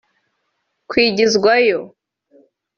kwigizwayo